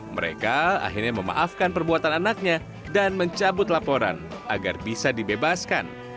mereka akhirnya memaafkan perbuatan anaknya dan mencabut laporan agar bisa dibebaskan